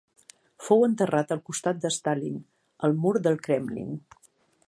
Fou enterrat al costat de Stalin, al mur del Kremlin.